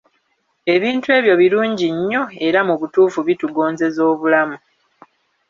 Ebintu ebyo birungi nnyo era mu butuufu bitugonzeza obulamu.